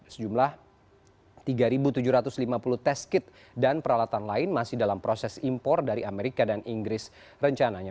sejumlah tiga tujuh ratus lima puluh tes kit dan peralatan lain masih dalam proses impor dari amerika dan inggris rencananya